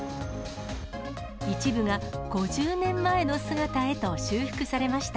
一部が５０年前の姿へと修復されました。